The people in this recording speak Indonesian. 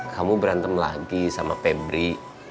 kamu berantem lagi sama pebri